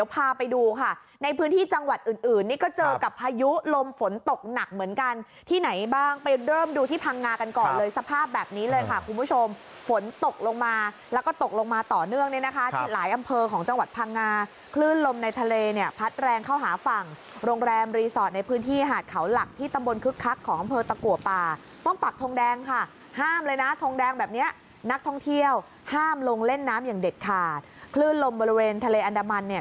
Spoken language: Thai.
พาไปดูค่ะในพื้นที่จังหวัดอื่นนี่ก็เจอกับพายุลมฝนตกหนักเหมือนกันที่ไหนบ้างไปเริ่มดูที่พังงากันก่อนเลยสภาพแบบนี้เลยค่ะคุณผู้ชมฝนตกลงมาแล้วก็ตกลงมาต่อเนื่องเลยนะคะหลายอำเภอของจังหวัดพังงาคลื่นลมในทะเลเนี่ยพัดแรงเข้าหาฝั่งโรงแรมรีสอร์ตในพื้นที่หาดเขาหลักที่ตำบลคึกคั